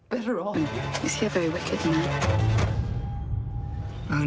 kamu melihat dia sangat berburu bukan